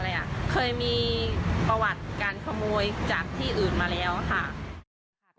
เคยมีประวัติการขโมยจากที่อื่นมาแล้วค่ะ